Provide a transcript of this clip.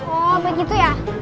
oh begitu ya